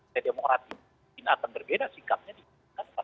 dari demokrat ini mungkin akan berbeda sikapnya dikhususkan pada partai yang lain